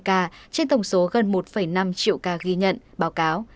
một ba trăm hai mươi ca trên tổng số gần một năm triệu ca ghi nhận báo cáo